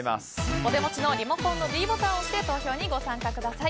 お手持ちのリモコンのｄボタンを押して投票にご参加ください。